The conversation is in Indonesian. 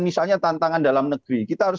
misalnya tantangan dalam negeri kita harus